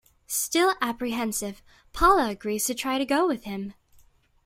Still apprehensive, Paula agrees to try to go with him.